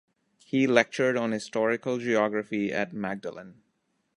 He lectured on historical geography at Magdalen.